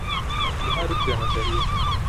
یہاں رک جانا چاہیے۔